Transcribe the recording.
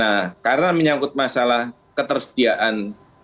nah karena menyangkut masalah ketersediaan